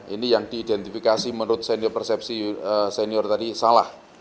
ini yang diidentifikasi menurut senior persepsi senior tadi salah